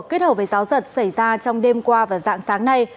kết hợp với giáo dật xảy ra trong đêm qua và dạng sáng nay